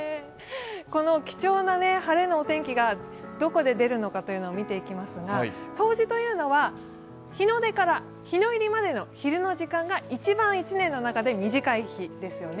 この貴重な晴れのお天気がどこで出るのかを見ていきますが、冬至というのは、日の出から日の入りまでの昼の時間が一番１年の中で短い日ですよね。